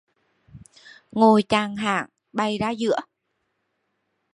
Ngồi chàng hảng, bày ra giữa!